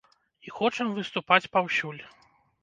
І хочам выступаць паўсюль!